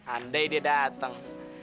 andai dia dateng